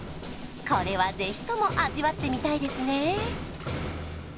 これはぜひとも味わってみたいですね